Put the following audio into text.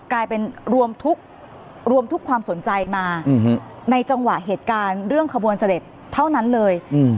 กลายเป็นรวมทุกความสนใจมาในจังหวะเหตุการณ์เรื่องขบวนเสด็จเท่านั้นเลย